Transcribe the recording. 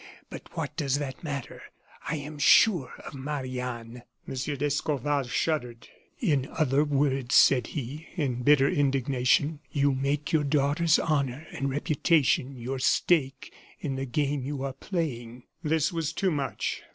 But what does that matter? I am sure of Marie Anne." M. d'Escorval shuddered. "In other words," said he, in bitter indignation, "you make your daughter's honor and reputation your stake in the game you are playing." This was too much.